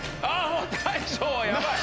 もう大昇がやばい。